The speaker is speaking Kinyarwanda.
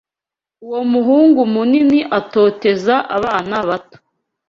Uwo muhungu munini atoteza abana bato.